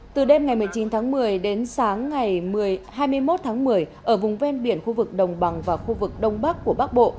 từ đêm ngày một mươi chín tháng một mươi đến sáng ngày hai mươi một tháng một mươi ở vùng ven biển khu vực đồng bằng và khu vực đông bắc của bắc bộ